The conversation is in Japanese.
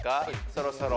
そろそろ。